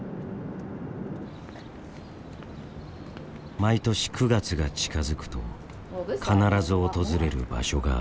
毎年９月が近づくと必ず訪れる場所がある。